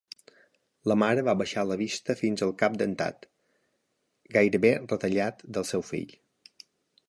La mare va baixar la vista fins al cap dentat, gairebé retallat del seu fill.